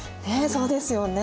そうですよね。